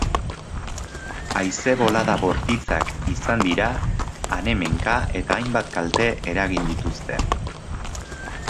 Haize bolada bortitzak izan dira han-hemenka eta hainbat kalte eragin dituzte.